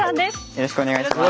よろしくお願いします。